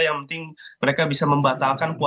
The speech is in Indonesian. yang penting mereka bisa membatalkan